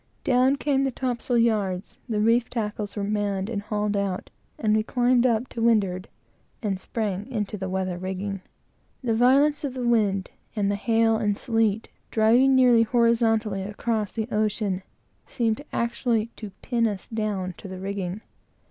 Down came the topsail yards, the reef tackles were manned and hauled out, and we climbed up to windward, and sprang into the weather rigging. The violence of the wind, and the hail and sleet, driving nearly horizontally across the ocean, seemed actually to pin us down to the rigging.